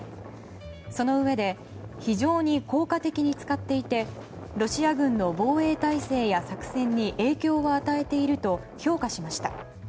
そのうえで非常に効果的に使っていてロシア軍の防衛態勢や作戦に影響を与えてると評価しました。